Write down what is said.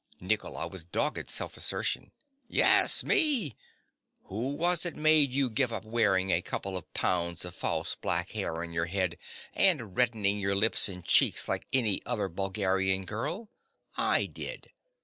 NICOLA. (with dogged self assertion). Yes, me. Who was it made you give up wearing a couple of pounds of false black hair on your head and reddening your lips and cheeks like any other Bulgarian girl? I did.